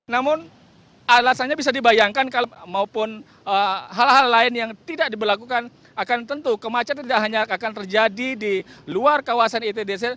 namun alasannya bisa dibayangkan maupun hal hal lain yang tidak diberlakukan akan tentu kemacetan tidak hanya akan terjadi di luar kawasan itdc